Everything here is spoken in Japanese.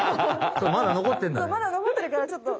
そうまだのこってるからちょっと。